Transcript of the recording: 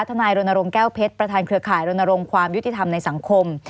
นายรณรงค์แก้วเพชรประธานเครือข่ายรณรงค์ความยุติธรรมในสังคม